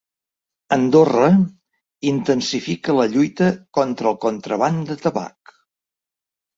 Andorra intensifica la lluita contra el contraban de tabac.